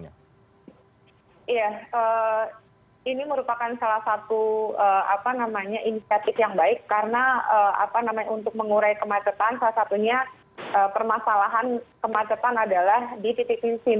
ya ini merupakan salah satu insiatif yang baik karena untuk mengurai kemacetan salah satunya permasalahan kemacetan adalah di titik simpang dan juga di tol